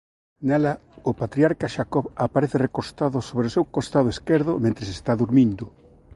Nela o patriarca Xacob aparece recostado sobre o seu costado esquerdo mentres está durmindo.